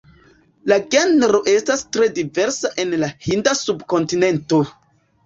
La genro estas tre diversa en la Hinda subkontinento.